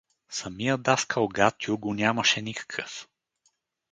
Самия даскал Гатю го нямаше никакъв.